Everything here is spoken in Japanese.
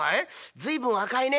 随分赤いね。